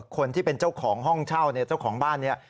คนที่เป็นเจ้าของห้องเช่าเนี่ยเจ้าของบ้านเนี่ย